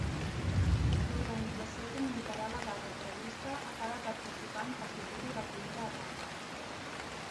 L'organització comunicarà la data prevista a cada participant que superi la primera etapa.